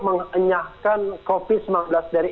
mengenyahkan covid sembilan belas dari